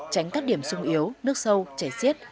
tránh các điểm sung yếu nước sâu chảy xiết